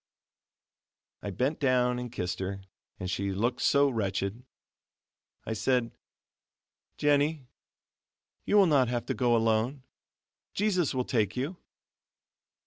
I bent down and kissed her, and she looked so wretched. I said: "Jennie, you will not have to go alone; Jesus will take you."